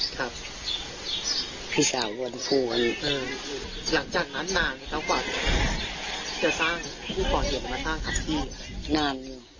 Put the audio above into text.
ก็คือเขาให้หรือว่าเขา